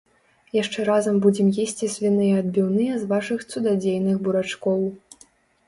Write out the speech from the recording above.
Яшчэ разам будзем есці свіныя адбіўныя з вашых цудадзейных бурачкоў.